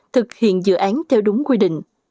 thực hiện dự án theo đúng quy định